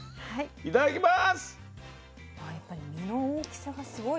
いただきます。